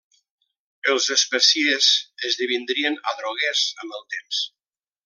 Els especiers esdevindrien adroguers amb el temps.